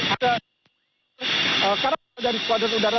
ada karakter dari skuadron udara